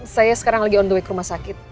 saya sekarang lagi on the way ke rumah sakit